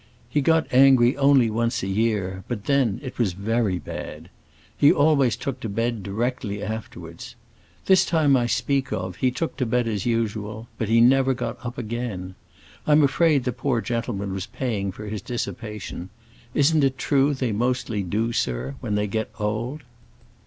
He got angry only once a year, but then it was very bad. He always took to bed directly afterwards. This time I speak of he took to bed as usual, but he never got up again. I'm afraid the poor gentleman was paying for his dissipation; isn't it true they mostly do, sir, when they get old?